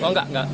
oh enggak enggak